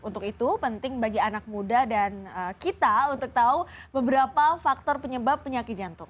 untuk itu penting bagi anak muda dan kita untuk tahu beberapa faktor penyebab penyakit jantung